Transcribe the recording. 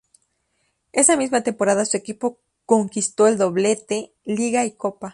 Esa misma temporada su equipo conquisto el doblete, liga y copa.